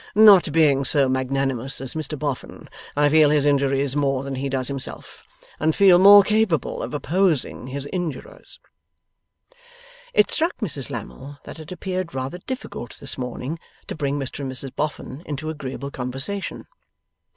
Not being so magnanimous as Mr Boffin, I feel his injuries more than he does himself, and feel more capable of opposing his injurers.' It struck Mrs Lammle that it appeared rather difficult this morning to bring Mr and Mrs Boffin into agreeable conversation.